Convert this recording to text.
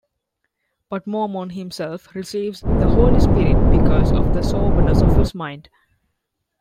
But Mormon himself receives the Holy Spirit because of the soberness of his mind.